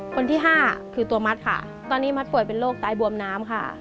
ตอนนี้มัทป่วยเป็นโรคไตบวมน้ำค่ะตอนนี้มัทป่วยเป็นโรคไตบวมน้ำ